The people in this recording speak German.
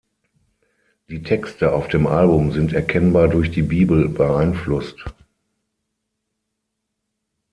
Die Texte auf dem Album sind erkennbar durch die Bibel beeinflusst.